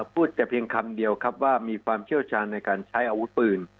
พูดแต่เพียงคำเดียวครับว่ามีความเชี่ยวชาญในการใช้อาวุธปืน